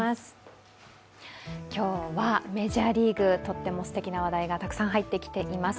今日はメジャーリーグとってもすてきな話題がたくさん入ってきています。